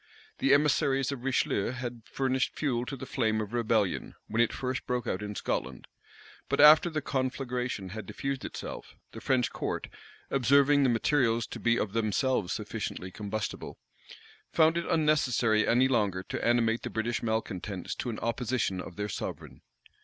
The emissaries of Richelieu had furnished fuel to the flame of rebellion, when it first broke out in Scotland; but after the conflagration had diffused itself, the French court, observing the materials to be of themselves sufficiently combustible, found it unnecessary any longer to animate the British malecontents to an opposition of their sovereign.